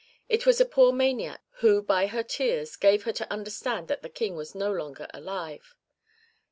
It was a poor maniac who by her tears gave her to understand that the King was no longer alive.